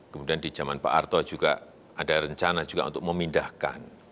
kemudian di zaman pak arto juga ada rencana juga untuk memindahkan